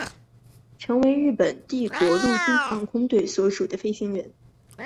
成为日本帝国陆军航空队所属的飞行员。